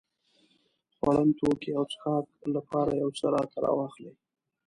خوړن توکي او څښاک لپاره يو څه راته راواخلې.